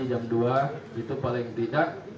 jam dua itu paling tidak